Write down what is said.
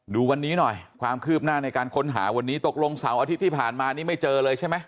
ดูวันนี้หน่อยความคืบหน้าในการค้นหาวันนี้ตกลงเสาร์อาทิตย์ที่ผ่านมานี่ไม่เจอเลยใช่ไหม